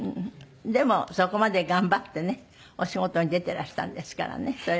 でもそこまで頑張ってねお仕事に出ていらしたんですからねそれはね。